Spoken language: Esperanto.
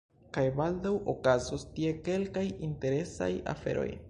Kaj baldaŭ okazos tie kelkaj interesaj aferoj.